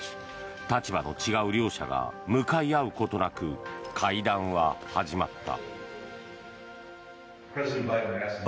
立場の違う両者が向かい合うことなく会談は始まった。